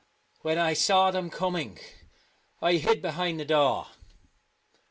When I saw them coming I i53 The hid behind the door.